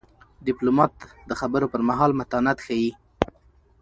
ډيپلومات د خبرو پر مهال متانت ښيي.